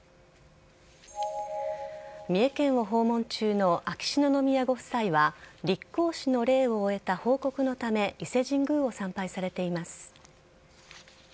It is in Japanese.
三重県を訪問中の秋篠宮ご夫妻は立皇嗣の礼を終えた報告のため伊勢神宮を参拝されています。